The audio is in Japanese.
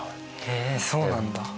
へえそうなんだ。